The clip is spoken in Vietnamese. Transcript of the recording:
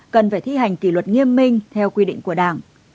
cần phải thi hành kỷ luật nghiêm minh theo quy định của đảng